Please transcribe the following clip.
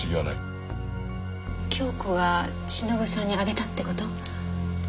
京子が忍さんにあげたって事？